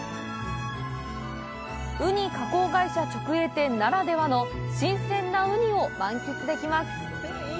ウニ加工会社直営店ならではの新鮮なウニを満喫できます。